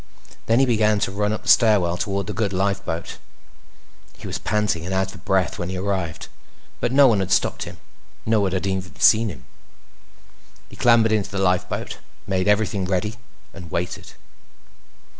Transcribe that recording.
Then he began to run up the stairwell toward the good lifeboat. He was panting and out of breath when he arrived, but no one had stopped him. No one had even seen him. He clambered into the lifeboat, made everything ready, and waited.